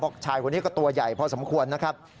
ชายคนนี้ก็ตัวใหญ่พอสมควรนะครับ